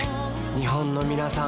日本のみなさん